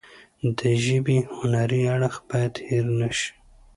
د ژبې هنري اړخ باید هیر نشي.